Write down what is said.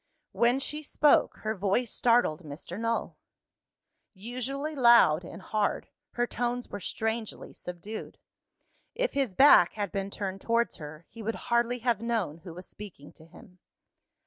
When she spoke, her voice startled Mr. Null. Usually loud and hard, her tones were strangely subdued. If his back had been turned towards her, he would hardly have known who was speaking to him.